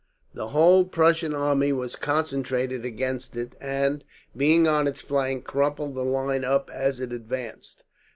The whole Prussian army was concentrated against it and, being on its flank, crumpled the line up as it advanced.